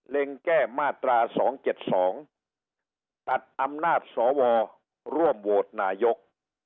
เล็งแก้มาตรา๒๗๒ตัดอำนาจสอวอร่วมโวทนายก